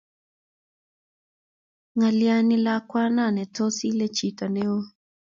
Ng'alalin lakwana ne tos ile chi neo.